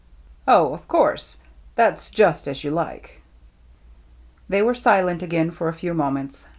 " Oh, of course, — that's just as you like." They were silent again for a few moments.